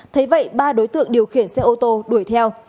thấy vậy ba đối tượng điều khiển xe ô tô đuổi theo